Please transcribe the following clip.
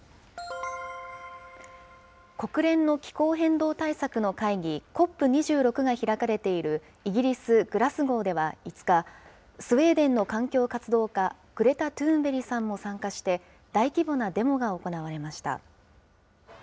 国連の気候変動対策の会議、ＣＯＰ２６が開かれているイギリス・グラスゴーでは５日、スウェーデンの環境活動家、グレタ・トゥーンベリさんも参加して、大規模なデモが行われました。